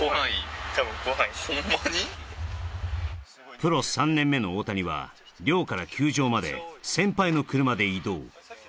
プロ３年目の大谷は寮から球場まで先輩の車で移動。